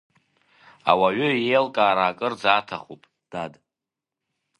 Ауаҩы иеилкаара акырӡа аҭахуп, дад.